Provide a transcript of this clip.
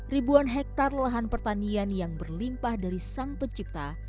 ribuan hektare lahan pertanian yang berlimpah dari sang pencipta